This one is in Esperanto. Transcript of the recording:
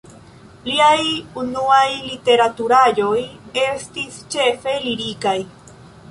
Liaj unuaj literaturaĵoj estis ĉefe lirikaj.